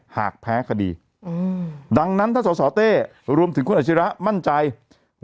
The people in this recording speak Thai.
หากแพ้คดีดังนั้นถ้าสสเต้รวมถึงคุณอาชิระมั่นใจ